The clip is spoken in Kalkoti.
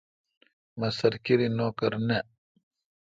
مہ سرکیری نوکر نہ۔